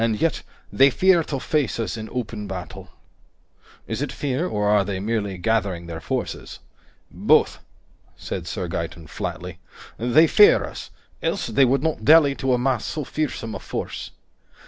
And yet, they fear to face us in open battle." "Is it fear, or are they merely gathering their forces?" "Both," said Sir Gaeton flatly. "They fear us, else they would not dally to amass so fearsome a force.